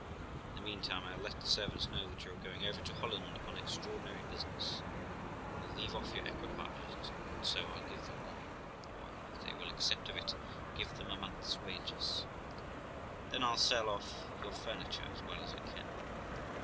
In the meantime, I'll let the servants know that you are going over to Holland upon extraordinary business, and will leave off your equipages, and so I'll give them warning, or, if they will accept of it, give them a month's wages. Then I'll sell off your furniture as well as I can.